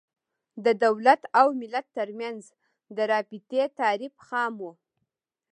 د دولت او ملت تر منځ د رابطې تعریف خام و.